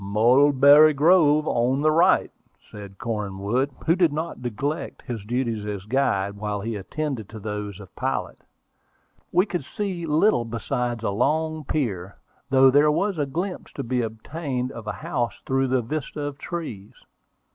"Mulberry Grove on the right," said Cornwood, who did not neglect his duties as guide, while he attended to those of pilot. We could see little besides a long pier, though there was a glimpse to be obtained of a house through the vista of trees.